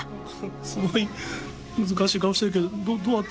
すごい難しい顔してるけど、どうだった？